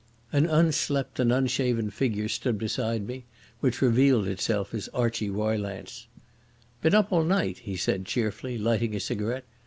An unslept and unshaven figure stood beside me which revealed itself as Archie Roylance. "Been up all night," he said cheerfully, lighting a cigarette.